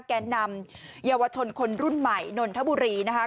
แก่นำเยาวชนคนรุ่นใหม่นนทบุรีนะคะ